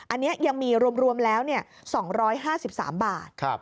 อันนี้ยังมีรวมแล้ว๒๕๓บาท